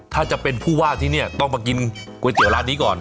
ถ้าจะเป็นผู้ว่าที่นี่ต้องมากินก๋วยเตี๋ยวร้านนี้ก่อน